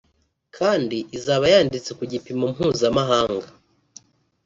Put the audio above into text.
kandi izaba yanditse ku gipimo mpuzamahanga